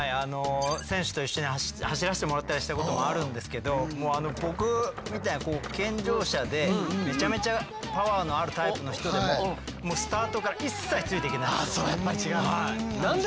選手と一緒に走らせてもらったりしたこともあるんですけど僕みたいな健常者でめちゃめちゃパワーのあるタイプの人でもあそうやっぱり違うんだ。